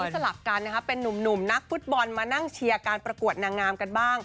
สลับกันนะคะเป็นนุ่มนักฟุตบอลมานั่งเชียร์การประกวดนางงามกันบ้าง